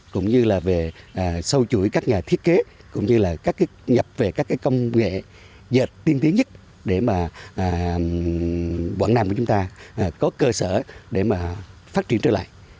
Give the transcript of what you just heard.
cũng như là về sâu chuỗi các nhà thiết kế cũng như là các cái nhập về các công nghệ dệt tiên tiến nhất để mà quảng nam của chúng ta có cơ sở để mà phát triển trở lại